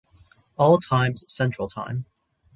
All times Central time.